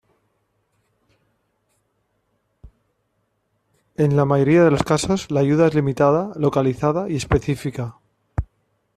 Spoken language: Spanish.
En la mayoría de los casos, la ayuda es limitada, localizada y específica.